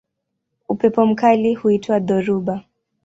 Upepo mkali huitwa dhoruba.